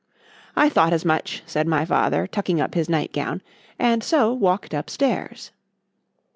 —I thought as much, said my father, tucking up his night gown;—and so walked up stairs.